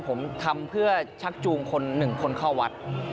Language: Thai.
ผมทำเพื่อชักจูงคนหนึ่งคนเข้าวัด